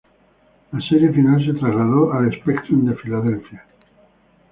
La serie final se trasladó al Spectrum de Filadelfia.